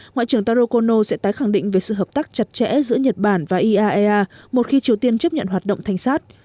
ngoại trưởng taro kono sẽ tái khẳng định về sự hợp tác chặt chẽ giữa nhật bản và iaea một khi triều tiên chấp nhận hoạt động thanh sát